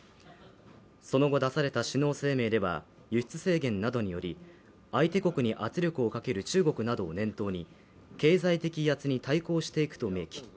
その後、出された首脳声明では輸出制限などにより相手国に圧力をかける中国などを念頭に経済的威圧に対抗していくと明記。